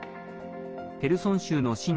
ヘルソン州の親